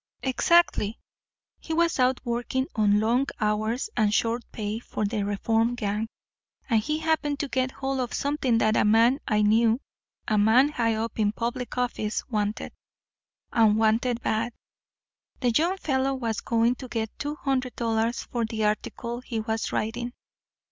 "Exactly. He was out working on long hours and short pay for the reform gang, and he happened to get hold of something that a man I knew a man high up in public office wanted, and wanted bad. The young fellow was going to get two hundred dollars for the article he was writing.